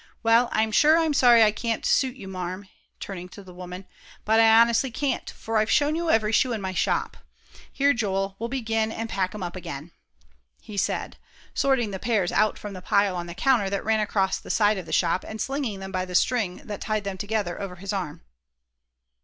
"Well, I'm sure I'm sorry I can't suit you, Marm," turning to the woman, "but I honestly can't, for I've shown you every shoe in my shop. Here, Joel, we'll begin and pack 'em up again," he said, sorting the pairs out from the pile on the counter that ran across the side of the shop, and slinging them by the string that tied them together, over his arm.